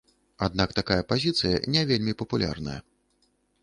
Аднак такая пазіцыя не вельмі папулярная.